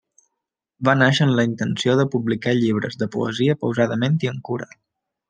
Va nàixer amb la intenció de publicar llibres de poesia pausadament i amb cura.